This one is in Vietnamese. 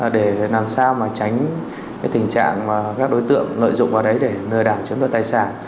để làm sao tránh tình trạng các đối tượng lợi dụng vào đấy để lừa đảo chiếm đoạt tài sản